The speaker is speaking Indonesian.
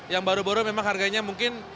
yang baru baru memang harganya mungkin